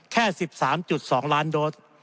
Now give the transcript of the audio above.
แค่๑๓๒ล้านโดส